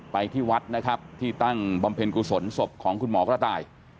ไปที่วัดนะครับที่ตั้งบำเพ็ญกุศลศพของคุณหมอกระต่าย